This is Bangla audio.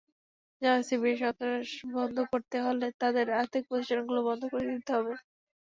জামায়াত-শিবিরের সন্ত্রাস বন্ধ করতে হলে তাদের আর্থিক প্রতিষ্ঠানগুলো বন্ধ করে দিতে হবে।